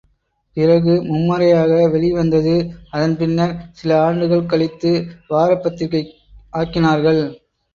பிறகு மும்முறையாக வெளிவந்தது, அதன் பின்னர் சில ஆண்டுகள் கழித்து வாரப்பத்திரிக்கை ஆக்கினார்கள்.